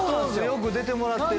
よく出てもらってる。